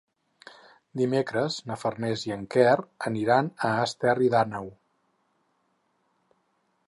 Dimecres na Farners i en Quer aniran a Esterri d'Àneu.